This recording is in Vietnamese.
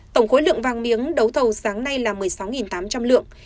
tổng khối lượng vàng miếng đấu thầu sáng nay là một mươi sáu tám trăm linh lượng